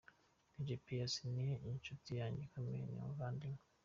Dj Pius ni inshuti yanjye ikomeye, ni umuvandimwe.